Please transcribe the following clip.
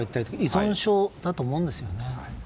依存症だと思うんですね。